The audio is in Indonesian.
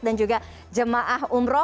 dan juga jemaah umroh